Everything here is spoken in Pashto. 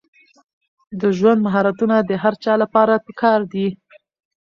د ژوند مهارتونه د هر چا لپاره پکار دي.